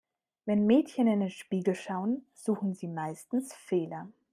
Wenn Mädchen in den Spiegel schauen, suchen sie meistens Fehler.